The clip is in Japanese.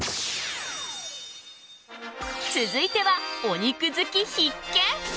続いては、お肉好き必見。